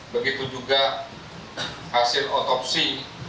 begitu juga hasil otopsi